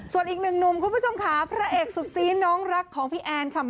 ส่วนอีกหนึ่งหนุ่มคุณผู้ชมค่ะพระเอกสุดซีน้องรักของพี่แอนค่ะ